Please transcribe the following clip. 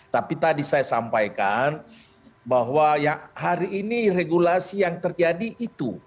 tapi tadi saya sampaikan bahwa hari ini regulasi yang terjadi itu